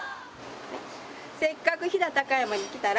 「せっかく飛騨高山に来たら」